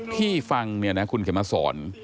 ที่ฟังเนี่ยนะคุณเขียนมาสอน